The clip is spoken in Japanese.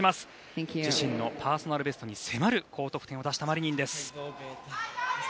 自身のパーソナルベストに迫る高得点を出したマリニンです。